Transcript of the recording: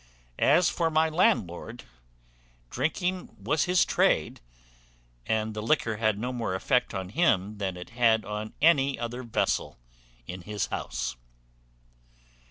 As for my landlord, drinking was his trade; and the liquor had no more effect on him than it had on any other vessel in his house.